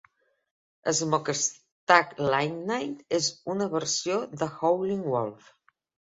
"Smokestack Lightning" és una versió de Howlin' Wolf.